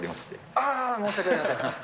ああ、申し訳ありません。